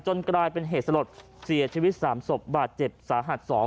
กลายเป็นเหตุสลดเสียชีวิต๓ศพบาดเจ็บสาหัส๒